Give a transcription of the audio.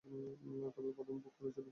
তবে প্রথমে ভোগ করেছে বোকারা।